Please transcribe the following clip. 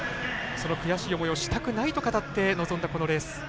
その悔しい思いをしたくないと語って臨んだこのレース。